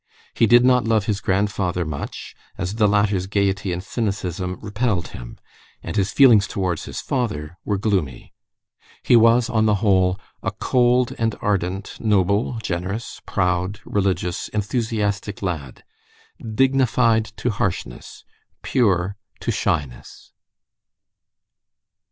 He did not love his grandfather much, as the latter's gayety and cynicism repelled him, and his feelings towards his father were gloomy. He was, on the whole, a cold and ardent, noble, generous, proud, religious, enthusiastic lad; dignified to harshness, pure to shyness.